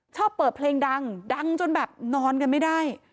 ชอบเปิดเพลงดังดังจนแบบนอนกันไม่ได้